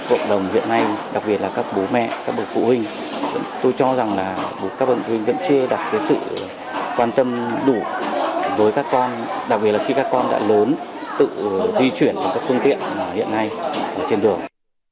bộ đồng hiện nay đặc biệt là các bố mẹ các bộ phụ huynh tôi cho rằng là các bộ phụ huynh vẫn chưa đạt được sự quan tâm đủ với các con đặc biệt là khi các con đã lớn tự di chuyển vào các phương tiện hiện nay trên đường